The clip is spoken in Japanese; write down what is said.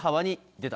出た！